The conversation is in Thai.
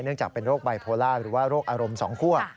เนื่องจากเป็นโรคไบโพลาร์หรือว่ารกอารมณ์สองคั่ว